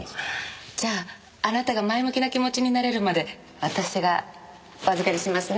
じゃああなたが前向きな気持ちになれるまで私がお預かりしますね。